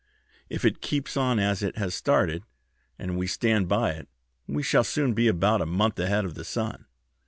If it keeps on as it has started and we stand by it, we shall soon be about a month ahead of the sun.